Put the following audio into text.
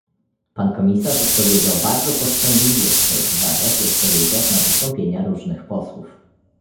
Pan komisarz odpowiedział bardzo powściągliwie w swoich uwagach i odpowiedziach na wystąpienia różnych posłów